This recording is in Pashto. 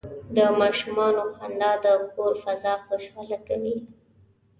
د ماشومانو خندا د کور فضا خوشحاله کوي.